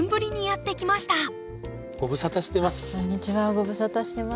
ご無沙汰してます。